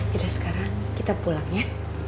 yaudah sekarang kita pulang ya